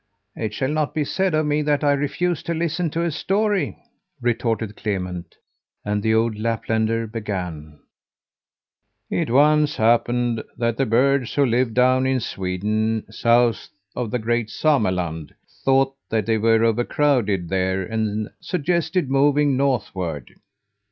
"It shall not be said of me that I refuse to listen to a story," retorted Clement, and the old Laplander began: "It once happened that the birds who lived down in Sweden, south of the great Saméland, thought that they were overcrowded there and suggested moving northward.